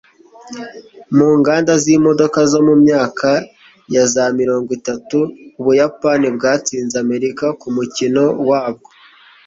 mu nganda z'imodoka zo mu myaka ya za mirongo itatu, ubuyapani bwatsinze amerika ku mukino wabwo